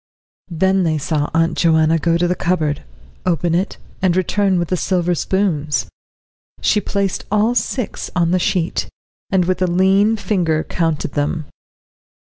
Then they saw Aunt Joanna go to the cupboard, open it, and return with the silver spoons; she placed all six on the sheet, and with a lean finger counted them.